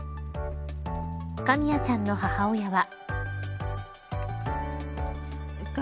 カミヤちゃんの母親は。